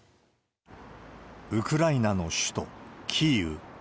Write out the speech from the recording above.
ウクライナの首都キーウ。